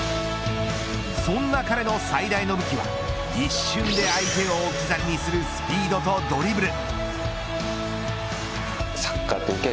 そんな彼の最大の武器は一瞬で相手を置き去りにするスピードとドリブル。